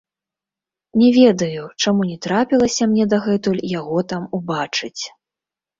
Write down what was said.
Не ведаю, чаму не трапілася мне дагэтуль яго там убачыць.